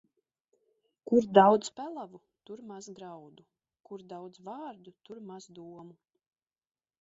Kur daudz pelavu, tur maz graudu; kur daudz vārdu, tur maz domu.